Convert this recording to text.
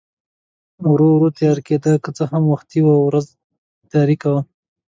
ورو ورو تیاره کېده، که څه هم وختي و، ورځ تاریکه وه.